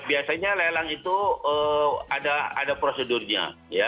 biasanya lelang itu ada prosedurnya